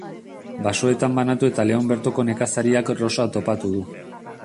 Basoetan banatu eta Leon bertoko nekazariak Rosa topatuko du.